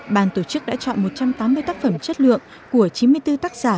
ban tổ chức đã chọn một trăm tám mươi tác phẩm chất lượng của chín mươi bốn tác giả